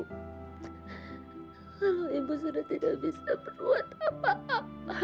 halo ibu sudah tidak bisa berbuat apa apa